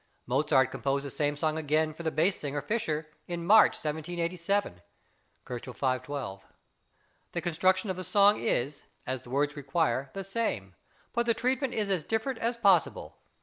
Mozart composed the same song again for the bass singer Fischer, in March, 1787 (512 K.). The construction of the song is, as the words require, the same, but the treatment is as different as possible.